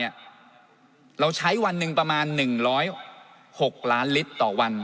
ลิตรละ๖บาทเราใช้วันหนึ่งประมาณ๑๐๖ล้านลิตรต่อวัน